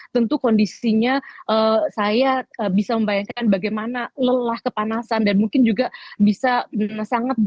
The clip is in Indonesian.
tentu kondisinya saya bisa membayangkan bagaimana lelah kepanasan dan mungkin juga bisa sangat